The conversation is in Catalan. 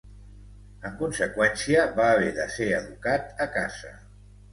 En conseqüència, va haver de ser educat a casa.